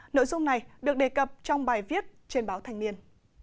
nội dung này được đề cập trong bài viết trên báo thanh niên